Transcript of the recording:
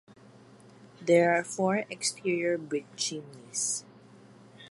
There are four exterior brick chimneys.